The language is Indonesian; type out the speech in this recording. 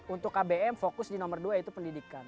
untuk kbm fokus di nomor dua yaitu pendidikan